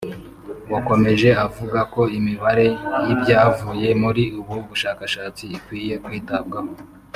wakomeje avuga ko imibare y’ibyavuye muri ubu bushakashatsi ikwiye kwitabwaho